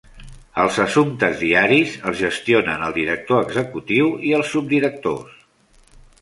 Els assumptes diaris els gestionen el director executiu i els subdirectors.